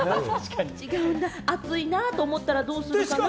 暑いなと思ったらどうするかな？